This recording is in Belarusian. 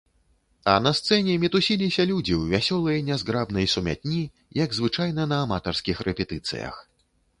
А на сцэне мітусіліся людзі ў вясёлай нязграбнай сумятні, як звычайна на аматарскіх рэпетыцыях.